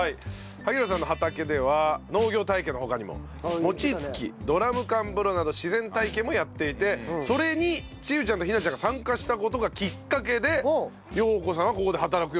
萩原さんの畑では農業体験の他にも餅つきドラム缶風呂など自然体験もやっていてそれに千結ちゃんと陽菜ちゃんが参加した事がきっかけで陽子さんはここで働くようになったと。